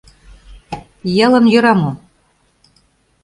Иялан йӧра мо?